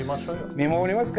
見守りますか！